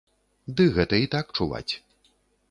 Ды гэта і так чуваць.